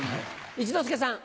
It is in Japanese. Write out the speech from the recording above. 一之輔さん。